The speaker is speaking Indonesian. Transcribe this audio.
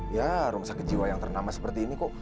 ya rumah sakit jiwa yang ternama seperti ini kok